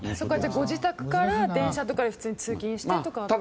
ご自宅から電車とかで通勤してとか。